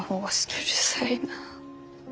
うるさいな。